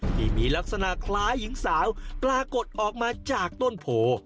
ที่มีลักษณะคล้ายหญิงสาวปรากฏออกมาจากต้นโพ